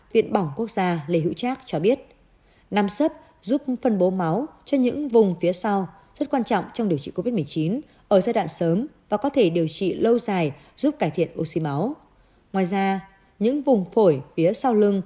viện bỏng quốc gia lê hữu trác cho biết nằm sấp giúp phân bố máu cho những vùng phía sau